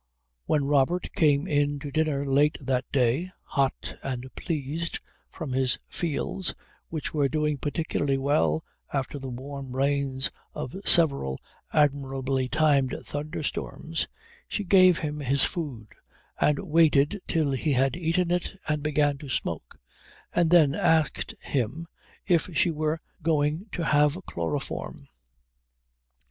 When Robert came in to dinner late that day, hot and pleased from his fields which were doing particularly well after the warm rains of several admirably timed thunderstorms, she gave him his food and waited till he had eaten it and begun to smoke, and then asked him if she were going to have chloroform.